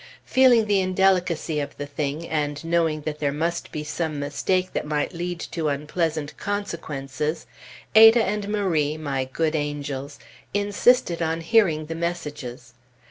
Feeling the indelicacy of the thing, and knowing that there must be some mistake that might lead to unpleasant consequences, Ada and Marie, my good angels, insisted on hearing the messages.